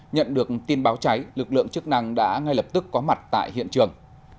nhận được tin báo cháy lực lượng chức năng đã ngay lập tức có mặt tại hiện trường